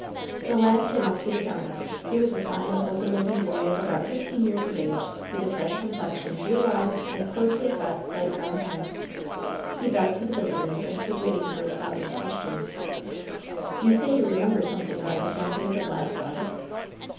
The lad came up to the counter. He was a fine, ^^hole some looking boy of about fifteen years of age, with a fresh complexion, blue eyes, and closely cut, light brown hair. He bowed to the visitors and stood waiting for his father's questions. "You say you remember something about the twen tieth of last August